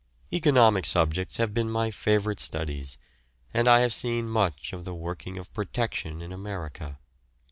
Economic subjects have been my favourite studies, and I have seen much of the working of Protection in America.